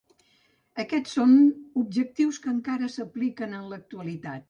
Aquests són objectius que encara s'apliquen en l'actualitat.